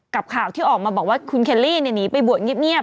ข่าวที่ออกมาบอกว่าคุณเคลลี่หนีไปบวชเงียบ